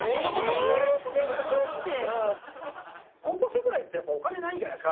高校生ぐらいってやっぱお金ないじゃないですか。